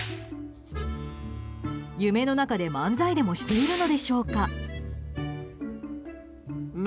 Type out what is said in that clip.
夢の中で漫才でもしているのでしょうか。